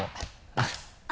あっ。